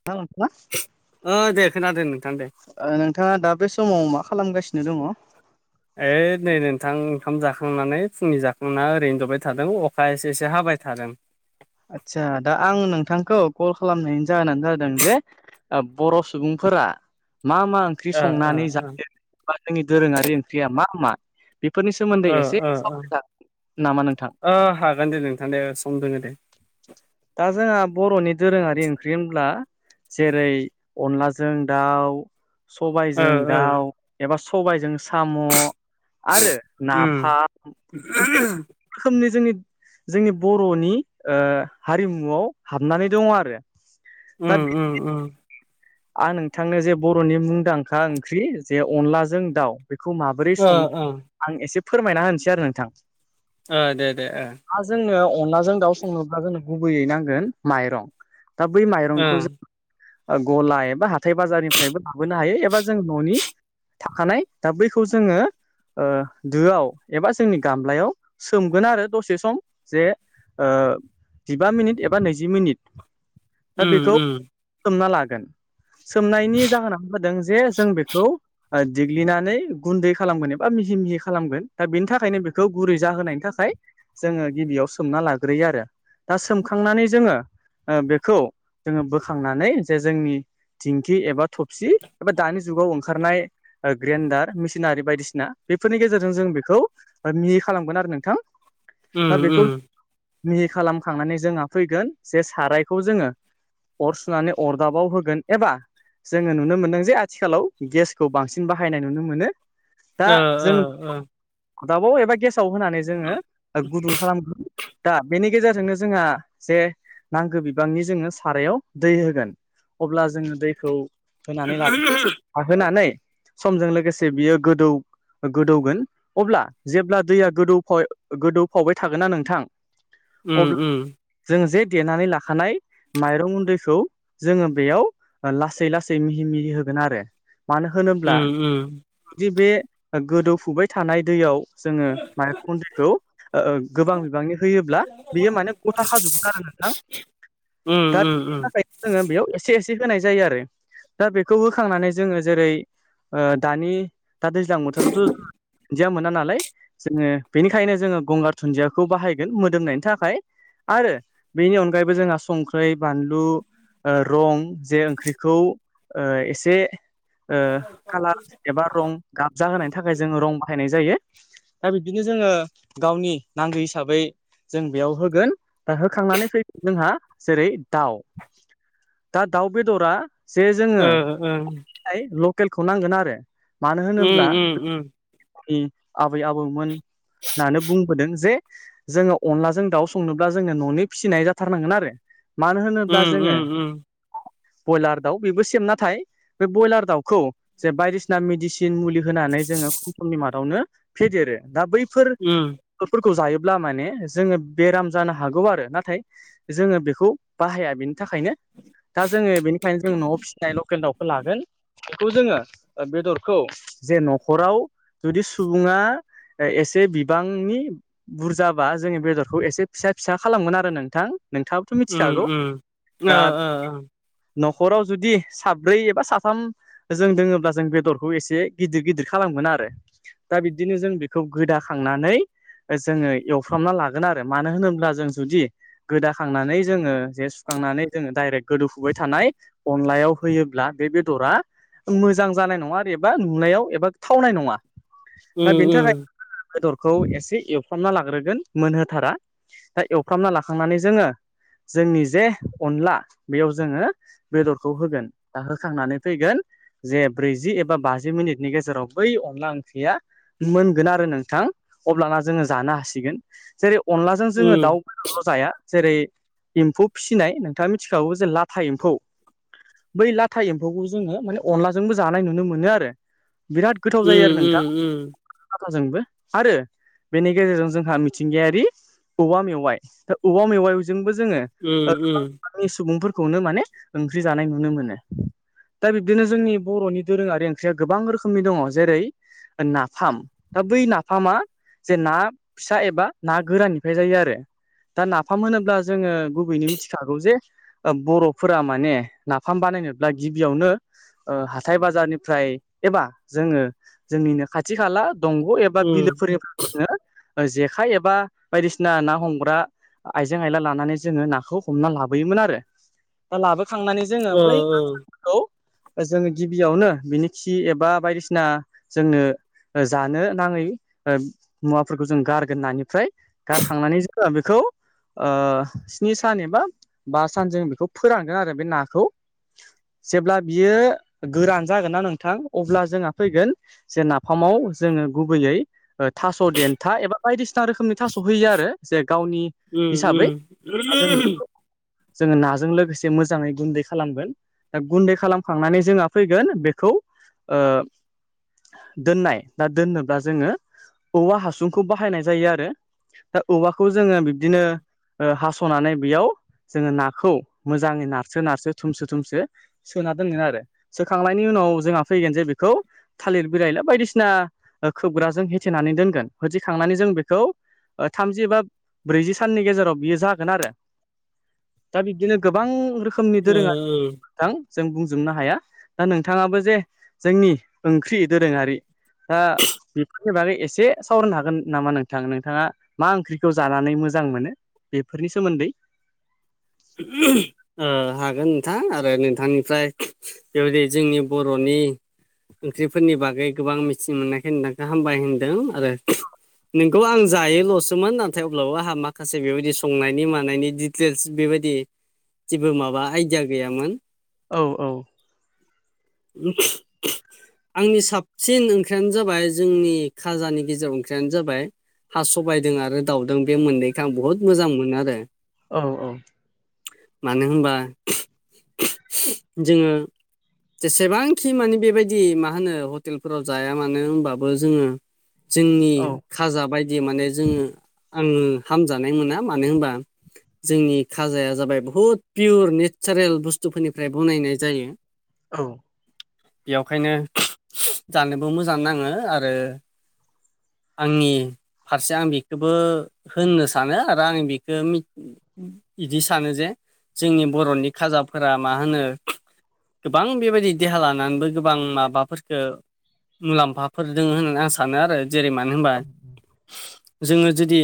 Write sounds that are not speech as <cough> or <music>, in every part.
<unintelligible> ओ दे खोनादों दे नोंथां दे। ओ नोंथाङा दा बे समाव मा खालामगासिनो दङ'? ओइ नै नोंथां ओंखाम जाखांनानै फुंनि जाखांना ओरैनो जबाय थादों अखा एसे एसे हाबाय थादों। आदसा दा आं नोंथांखौ कल खालामनायनि जाहोनानो जादों जे आप बर' सुबुंफोरा मा मा ओं ख्रि ओ ओ संनानै ओ जायोबा जोंनि दोरोङारि ओंख्रिया मा मा बेफोरनि सोमोन्दै ओ एसे ओ ओ सावराय जागोन नामा नोंथां? ओ हागोन दे नोंथां दे ओ सम दोङो दे। दा जोंहा बर'नि दोरोङारि ओंख्रि होनब्ला जेरै अनलाजों दाउ ओ सबायजों ओ दाउ एबा सबाइजों साम' आरो उम नाफाम <unintelligible> खोमनि जोंनि जोंनि बर'नि ओ हारिमुआव हाबनानै दङ' आरो। दा बे उम उम उम। आं नोंथांनो जे बर'नि मुंदांखा ओंख्रि जे अनलाजों दाउ बेखौ माबोरै ओ संङो ओ आं एसे फोरमायना होनोसै आरो नोंथां। ओ दे दे ओ। आ जोंनो अनलाजों दाउ संनोब्ला जोंनो गुबैयै नांगोन माइरं दा बै ओ माइरंखौ जो गला एबा हाथाय बाजारनिफ्रायबो लाबोनो हायो एबा जों न'नि थाखानाय दा बैखौ जोङो ओ दोआव एबा जोंनि गामलायाव सोमगोन आरो दसे सम जे ओ जिबा मिनिट एबा नैजि मिनिट दा उम बेखौ उम <unintelligible> ना लागोन। सोमनायनि जाहोनानो जादों जे जों बेखौ ओ दिग्लिनानै गुन्दै खालामगोन एबा मिहि मिहि खालामगोन दा बेनि थाखायनो बेखौ गुरै जाहोनायनि थाखाय जोङो गिबियाव सोमना लाग्रोयो आरो दा सोमखांनानै जोङो ओ बेखौ जोङो बोखांनानै जे जोंनि धिंकि एबा थबसि एबा दानि जुगाव ओंखारनाय ग्रेन्डार मेसिनारि बायदिसिना बेफोरनि गेजेरजों जों बेखौ मिहि खालामगोन आरो नोंथां उम दा बेखौ उम मिहि खालामखांनानै जोंहा फैगोन जे सारायखौ जोङो अर सुनानै अरदाबाव होगोन एबा जोङो नुनो मोनदों जे आथिखालाव गेसखौ बांसिन बाहायनाय नुनो मोनो। दा ओ जों ओ ओ अदाबाव एबा गेसाव होनानै जोङो गुदुं खालाम दा बेनि गेजेरजोंनो जोंहा जे नांगो बिबांनि जोङो सारायाव दै होगोन। अब्ला जोङो दैखौ होनानै ला लाहोनानै समजों लोगोसे बियो गोदौ गोदौगोन अब्ला जेब्ला दैया गोदौफाव गोदौफावबाय थागोनना नोंथां अब्ला उम उम जों जे देनानै लाखानाय माइरं गुन्दैखौ जोङो बेयाव लासै लासै मिहि मिहि होगोन आरो मानो होनोब्ला उम जुदि बे गोदौफुबाय थानाय दैयाव जोङो माइरं खुन्दैखौ गोबां बिबांनि होयोब्ला बियो माने गथा खाजोबगोन आरो नोंथां। उम दा उम बेनि उम थाखायनो जोङो बेयाव एसे एसे होनाय जायो आरो। दा बेखौ होखांनानै जोङो जेरै दानि दा दैज्लां बोथोरावथ' दुन्दिया मोना नालाय जोङो बेनिखायनो जोङो गंगार दुन्दियाखौ बाहायगोन मोदोमनायनि थाखाय। आरो बेनि अनगायैबो जोंहा संख्रि बानलु ओ रं जे ओंख्रिखौ ओ एसे ओ कालार एबा रं गाबजाहोनायनि थाखाय जोङो रं बाहायनाय जायो। दा बिब्दिनो जोङो गावनि नांगौ हिसाबै जों बेयाव होगोन दा होखांनानै फैगोन जोंहा जेरै दाउ दा दाउ बेदरा जे ओ जोङो लकेलखौ नांगोन आरो मानो होनोब्ला उम उम उम जोंनि आबै आबौमोन होननानै बुंबोदों जे जोङो अनलाजों दाउ संनोब्ला जोङो न'नि फिसिनाय जाथारनांगोन आरो। मानो होनोब्ला उम जोङो उम उम बयलार दाउ बेबो सेम नाथाय बे ब्रयलार दाउखौ जे बायदिसिना मेडिसिन मुलि होनानै जोङो खम समनि मादावनो फेदेरो दा बैफोर उम फोरखौ जायोब्ला माने जोङो बेराम जानो हागौ आरो नाथाय जोङो बेखौ बाहाया बेनि थाखायनो दा जोङो बेनिखायनो जों न'आव फिसिनाय लकेल दाउखौ लागोन। बेखौ जोङो बेदरखौ जे न'खराव जुदि सुबुङा एसे बिबांनि बुरजाबा जोङो बेदरखौ एसे फिसा फिसा खालामगोन आरो नोंथां नोंथां उम उम ओ ओ ओ न'खराव जुदि साब्रै एबा साथाम जोन दोङोब्ला जों बेदरखौ एसे गिदिर गिदिर खालामगोन आरो दा बिब्दिनो जों बेखौ गोदाखांनानै जोङो एवफ्रामना लागोन आरो मानो होनोब्ला जों जुदि गोदाखांनानै जोङो जे सु खांनानै जोङो डाइरेक्ट गोदोफुबाय थानाय अनलायाव होयोब्ला बे बेदरा मोजां जानाय नङा आरो एबा नुनायाव एबा थावनाय नङा दा बेनि थाखाय बेदरखौ एसे एवफ्रामना लाग्रोगोन मोनहोथारा। दा एवफ्रामना लाखांनानै जोङो जोंनि जे अनला बेयाव जोङो बेदरखौ होगोन दा होखांनानै फैगोन जे ब्रैजि एबा बाजि मिनिटनि गेजेराव बै अनला ओंख्रिया मोनगोन आरो नोंथां अब्लाना जोङो जानो हासिगोन जेरै अनलाजों जों दाउ बेदरल' जाया जेरै एम्फौ फि फिनाय नोंथाङा मिथिखागौ जे लाथा एम्फौ बै लाथा एम्फौखौ जोङो माने अनलाजोंबो जानाय नुनो मोनो आरो बिराद गोथाव जायो आरो नोंथां लाथाजोंबो आरो बेनि गेजेरजों जोंहा मिथिंगायारि औवा मेवाइ दा औवा मेवाइजोंबो जोङो उम उम। फ्राय सुबुंफोरखौनो माने ओंख्रि जानाय नुनो मोनो। दा बिब्दिनो जोंनि बर'नि दोरोङारि ओंख्रिया गोबां रोखोमनि दङ' जेरै नाफाम दा बै नाफामा जे ना फिसा एबा ना गोराननिफ्राय जायो आरो। दा नाफाम होनोब्ला जोङो गुबैनो मिथिखागौ जे बर'फोरा माने नाफाम बानायनोब्ला गिबियावनो ओ हाथाय बाजारनिफ्राय एबा जोङो जोंनिनो खाथि खाला दंग' एबा बिलोफोरनिफ्रायनो जोङो जेखाय एबा बायदिसिना ना हमग्रा आइजें आइला लानानै जोङो नाखौ हमना लाबोयोमोन आरो दा लाबोखांनानै जोङो ओ, बै ओ. खौ जोङो गिबियावनो बिनि खि एबा बायदिसिना जोंनो जानो नाङै ओ मुवाफोरखौ जों गारगोन नानिफ्राय। गारखांनानै जोङो बेखौ ओ स्नि सान एबा बा सान जों बेखौ फोरानो आरो बे नाखौ। जेब्ला बियो गोरान जागोन ना नोंथां अब्ला जोंहा फैगोन जे नाफामाव जोङो गुबैयै थास' देन्था एबा बायदिसिना रोखोमनि थास' होयो आरो जे गावनि उम, हिसाबै। उम. दा जों बेखौ जोङो नाजों लोगोसे मोजाङै गुन्दै खालामगोन। गुन्दै खालामखांनानै जोंहा फैगोन बेखौ ओ दोननाय दा दोननोब्ला जोङो औवा हासुंखौ बाहायनाय जायो आरो। दा औवाखौ जोङो बिब्दिनो ओ हास स'नानै बेयाव जोङो नाखौ मोजाङै नारसो नारसो थुमसो थुमसो सोना दोनगोन आरो सोखांनायनि उनाव जोंहा फैगोन जे बेखौ थालिर बिरायला बायदिसिना खोबग्राजों होेथेनानै दोनगोन होथिखांनानै जों बेखौ थामजि बा ब्रैजि साननि गेजेराव बियो जा गोन आरो दा बिब्दिनो गोबां रोखोमनि ओ, ओ. दोरोङा थां जों बुंजोबनो हाया दा नोंथाङाबो जे जोंनि ओंख्रि दोरोङारि दा बि फोरनि बागै एसे सावरायनो हागोन नामा नोंथां नोंथाङा मा ओंख्रिखौ जानानै मोजां मोनो? फोरनि सोमोन्दै उम हागोन नोंथां आरो नोंथांनिफ्राय बेबायदि जोंनि बर'नि ओंख्रिफोरनि बागै गोबां मिथि मोननाय होननायखो हामबाय होनदों आरो नोंखौ आं जायोल'सोमोन नाथाय अब्लाबो आंहा माखासे बेबायदि संनायनि मानायनि डिटेल्स बेबाय बि जेबो माबा आइदिया गैयामोन। औ औ। बि आंनि साबसिन ओंख्रियानो जाबाय जोंनि खाजानि गेजेराव ओंख्रियानो जाबाय हा सबायदों आरो दाउदों बे मोननैखो आं बहत मोजां मोनो आरो। औ औ। मानो होनबा जोङो जेसेबांखि मानि बेबायदि मा होनो हटेलफोराव जाया मानो होनबाबो जोङो जोंनि औ खाजा बायदि माने जोङो आङो हामजानाय मोना मानो होनबा जोंनि खाजाया जाबाय बुहुद पियर नेचारेल बुस्थुफोरनिफ्राय बनायनाय जायो। औ। बेखायनो जानोबो मोजां नाङो आरो आंनि फारसे आं बेखौबो होननो सानो आरो आं बेखौ बिदि सानो जे जोंनि बर'नि खाजाफोरा मा होनो गोबां बेबायदि देहा लानानैबो गोबां माबाफोरफोरखौ मुलाम्फाफोर दोङ होननानै आं सानो आरो जेरै मानो होनबा जोङो जुदि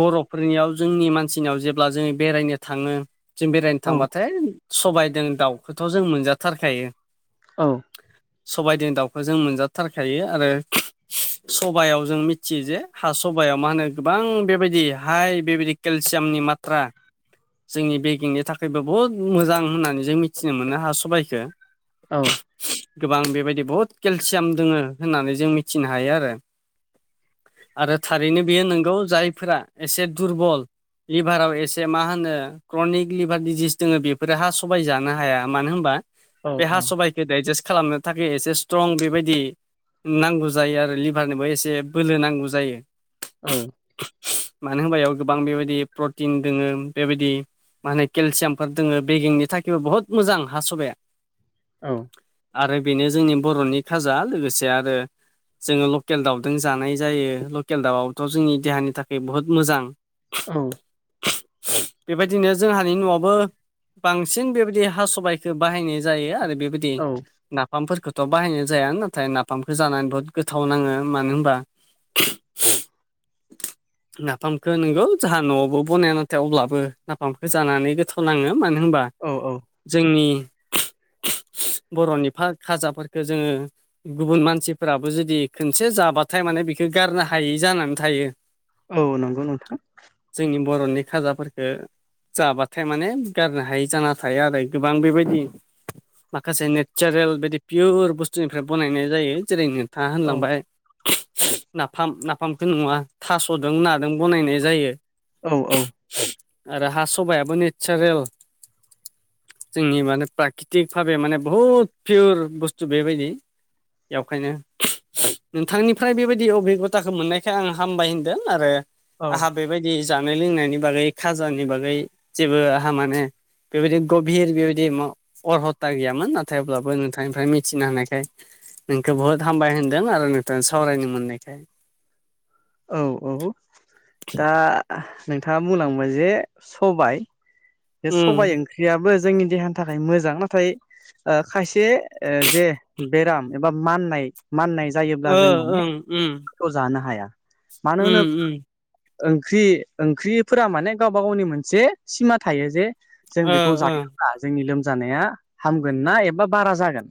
बर'फोरनियाव जोंनि मानसि सिनाव जेब्ला जोङो बेरायनो थाङो जों बेरायनो औ थांबाथाय सबायदों दाउखौथ' जों मोनजाथारखायो। औ। सबायजों दाउखौ जों मोनजाथारखायो आरो सबायाव जों मिथियो जे हा सबायाव मा होनो गोबां बेबायदि हाय बेबायदि केलसियामनि मत्रा जोंनि बेगिंनि थाखायबो बहुद मोजां होननानै जों मिथिनो मोनो हा सबाइखो औ गोबां बेबायदि बहुत केलसियाम दङो होननानै जों मिथिनो हायो आरो आरो थारैनो बेयो नंगौ जायफोरा एसे दुरबल लिभाराव एसे मा होनो क्रनिक लिभार दिजिस दोङो बेफोरो हा सबबाय जानो हाया मानो होनबा औ बे हा सबायाइ डाइजेस्ट खालामनो थाखाय एसे स्ट्रं बेबायदि नांगौ जायो आरो लिभारनोबो एसे बोलो नांगौ जायो औ मानो होनबायाव गोबां बेबायदि प्रटिन दोङो बेबायदि मा होनो केलसियामफोर दोङो बेगिंनि थाखायबो बुहुत मोजां हा सबाया औ आरो बेनो जोंनि बर'नि खाजा लोगोसे आरो जोङो लकेल दाउजों जानाय जायो लकेल दाउआथ' जोंनि देहानि थाखाय बुहुद मोजां औ बेबायदिनो जोंहानि न'आवबो बांसिन बेबायदि हा सबाइखौ बाहायनाय जायो आरो बेबायदि ना औ नाफामफोरखौथ' बाहायनाय जाया नाथाय नाफामखौ जानानै बुहुत गोथाव नाङो मानो होनबा <unintelligible> नफाम खौ नोंगौ जाहा न'आवबो बनाय नाथाय अब्लाबो नाफामखौ जानानै गोथाव नाङो मानो होनबा औ औ। जोंनि बर'नि खाजाफोरखौ जोङो गुबुन मानसिफोराबो जुदि खनसे जाबाथाय माने बेखौ गारनो हायै जानानै थायो। औ नंगौ नोंथां। जोंनि बर'नि खाजाफोरफोरखौ जाबाथाय माने गारनो हायि जाना थायो आरो गोबां बेबायदि माखासे नेचारेल बिदि पियर बुस्थुनिफ्राय बनायनाय जायो जेरैनो था औ होनलांबाय नाफाम नाफामख नङा थास'दोंना। दों बनायनाय जायो औ औ आरो हा सबायाबो नेसारेल जोंनि माने प्राकृतिक भाबे माने बुहुद पियर बुस्थु बेबायदि। बेखायनो नोंथांनिफ्राय बेबायदि अबिगथाखौ मोननायखाय आं हामबाय होनदों आरो औ आंहा बेबायदि जानाय लोंनायनि बागै खाजानि बागै जेबो आंहा माने बेबायदि गभिर बेबायदि अरहता गैयामोन नाथाय अब्लाबो नोंथांनिफ्राय मिथिनो हानायखाय नोंखौ बुहुत हामबाय होनदों आरो नोंथां सावरायनो मोननायखाय। औ औ दा नोंथाङा बुंनांबाय जे सबाय बे उम सबबाय ओंख्रियाबो जोंनि देहानि थाखाय मोजां नाथाय खायसे जे बेराम एबा माननाय माननाय जायोब्ला ओ जों माने ओं उम खस्थ' जानो हाया मानो उम होनोब्ला उम ओंख्रि ओंख्रिफोरा माने गावबा गावनि मोनसे सिमा थायो जे जों ओ बेखौ ओ जायोब्ला जोंनि लोमजानाया हामगोन ना एबा बारा जागोन।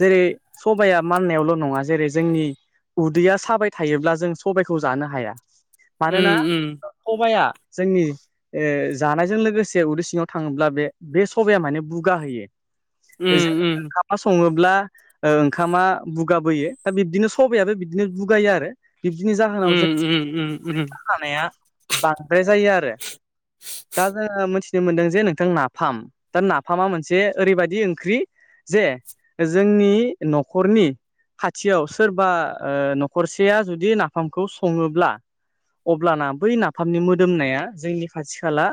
जेरै सबाया माननायावल' नङा जेरै जोंनि उदैया साबाय थायोब्ला जों सबायखौ जानो हाया। उम मानोना सबाइआ जोंनि ओ जानायजों लोगो लोगोसे उरदै सिङाव थाङोब्ला बे बे सबाया माने बुगा हैयो। ओम ओम अनला सङोब्ला ओ ओंखामा बुगाबोयो दा बिब्दिनो सबाइआबो बिदिनो बुगायो आरो। बिब्दिनि जाहोनाव उम जों उम उम उम जानाया बांद्राय जायो आरो। मिथिनो मोनदों जे नोंथां नाफाम। दा नाफामा मोनसे ओरैबायदि ओंख्रि जे जोंनि न'खरनि खाथियाव सोरबा न'खरसेया जुदि नाफामखौ सङोब्ला अब्लाना बै नाफामनि मोदोमनाया जोंनि खाथि खाला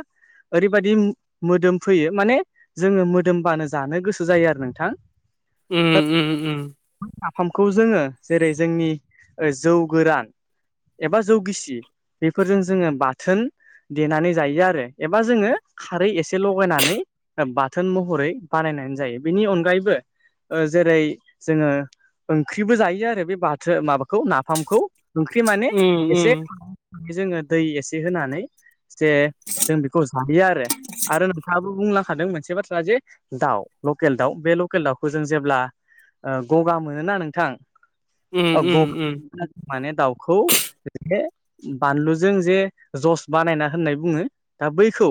ओरैबायदि मोदोम फैयो माने जोङो मोदोमबानो जानो गोसो जायो आरो नोंथां। दा ओम ओम ओम। नाफामखौ जोङो जेरै जोंनि जौ गोरान एबा जौ गिसि बेफोरजों जोङो बाथोन देनानै जायो आरो। एबा जोङो खारै एसे लगायनानै बाथोन महरै बानायनानै जायो। बेनि अनगायैबो जेरै जोङो ओंख्रिबो जायो आरो बे बाथो माबाखौ नाफामखौ। ओंख्रि माने एसे जोङो दै एसे होनानै जे जों बेखौ जायो आरो। आरो नोंथाङाबो बुंलांखादों मोनसे बाथ्रा जे दाउ लकेल दाउ। बे लकेल दाउखौ जों जेब्ला गगा मोनोना नोंथां उम औ उम उम गगा माने दाउखौ जे बानलुजों जे जस बानायना होननाय बुङो। दा बैखौ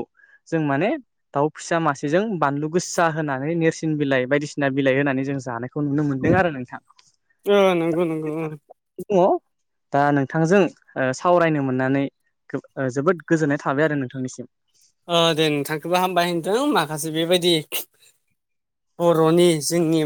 जों माने दाउ फिसा मासेजों बानलु गोसा होनानै नेरसिन बिलाइ बायदिसिना बिलाइ होनानै जों जानाय बेखौ नुनो मोन्दों आरो नोंथां। नंगौ नंगौ ओं। हेलौ। दा नोंथांजों सावरायनो ओ मोननानै जोबोद गोजोननाय थाबाय आरो नोंथांनिसिम। <inaudible> ओ दे नोंथांखौबो हामबाय होनदों माखासे बेबायदि बर'नि जोंनि